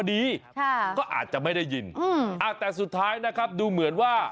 โอ้โหโอ้โหโอ้โหโอ้โหโอ้โห